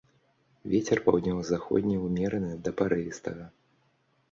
Вецер паўднёва-заходні ўмераны да парывістага.